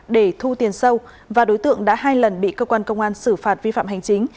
để thu tiền sâu và đối tượng đã hai lần bị cơ quan công an xử phạt vi phạm hành chính